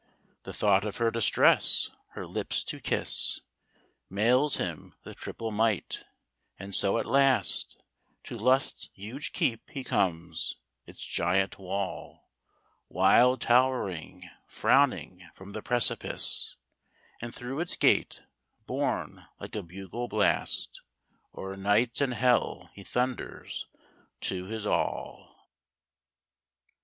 The thought of her distress, her lips to kiss, Mails him with triple might; and so at last To Lust's huge keep he comes; its giant wall, Wild towering, frowning from the precipice; And through its gate, borne like a bugle blast, O'er night and hell he thunders to his all.